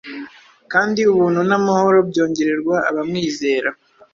kandi ubuntu n’amahoro byongererwa abamwizera.